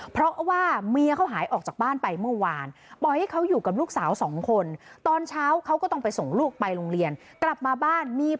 เพราะว่าเมียเขาหายออกจากบ้านไปเมื่อวาน